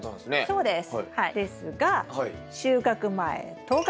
そうです。